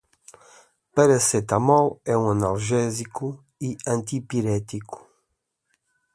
Paracetamol é um analgésico e antipirético.